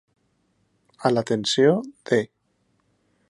A l'atenció de.